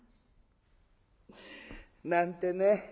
なんてね。